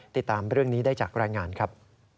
ติดตามเรื่องนี้ได้จากรายงานครับ